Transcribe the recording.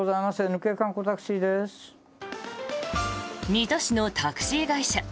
水戸市のタクシー会社。